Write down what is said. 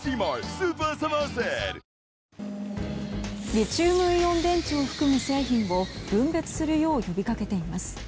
リチウムイオン電池を含む製品を分別するよう呼び掛けています。